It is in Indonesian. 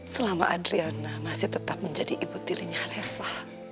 selama adriana masih tetap menjadi ibu tirinya reva